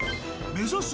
目指す